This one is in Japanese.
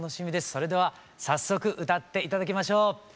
それでは早速歌って頂きましょう。